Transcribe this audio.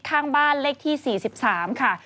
ข้างบ้านเลขที่๔๓ค่ะ